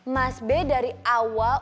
mas b dari awal